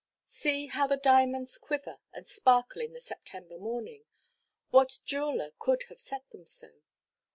See how the diamonds quiver and sparkle in the September morning; what jeweller could have set them so?